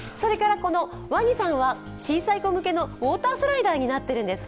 ワニさんは小さい子向けのウォータースライダーになっているんです。